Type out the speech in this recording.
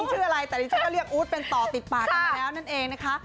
ชื่ออะไรแต่ดิฉันก็เรียกอู๊ดเป็นต่อติดปากกันไปแล้วนั่นเองนะคะ